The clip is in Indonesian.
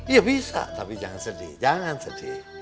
ya bisa tapi jangan sedih jangan sedih